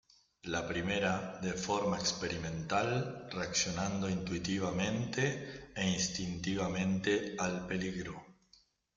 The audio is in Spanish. La primera, de forma experimental, reaccionando intuitivamente e instintivamente al peligro.